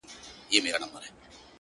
تـا كــړلــه خـــپـــره اشــــنـــــا.